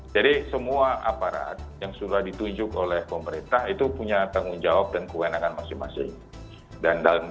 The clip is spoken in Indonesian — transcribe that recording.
jadi semua aparat yang sudah ditunjuk oleh pemerintah itu punya tanggung jawab dan kewenangan masing masing